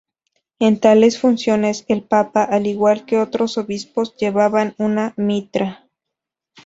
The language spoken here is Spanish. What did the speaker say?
En tales funciones al Papa, al igual que otros obispos, llevaba una mitra.